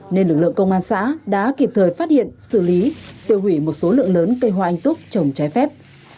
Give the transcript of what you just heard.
nên lực lượng công an xã đã kịp thời phát hiện xử lý tiêu hủy một số lượng lớn cây hoa anh túc trồng trái phép